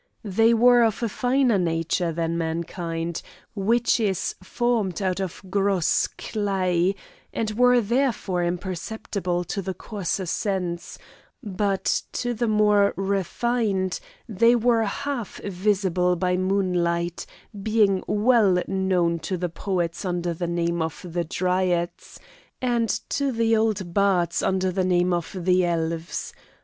They were of a finer nature than mankind, which is formed out of gross clay, and were therefore imperceptible to the coarser sense; but to the more refined they were half visible by moonlight, being well known to the poets under the name of the Dryads, and to the old bards under the name of the Elves.